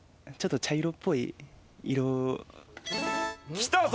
きたぞ。